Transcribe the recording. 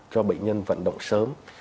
cho bệnh nhân vận động sớm